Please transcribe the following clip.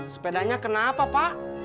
sepedanya kenapa pak